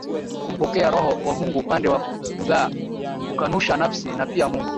kumpokea Roho wa Mungu Upande wa Buddha hukanusha nafsi na pia Mungu